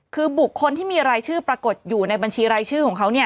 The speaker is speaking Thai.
คือบุคคลที่มีรายชื่อปรากฏอยู่ในบัญชีรายชื่อของเขาเนี่ย